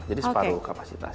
jadi separuh kapasitas